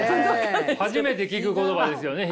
初めて聞く言葉ですよね